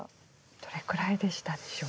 どれくらいでしたでしょう？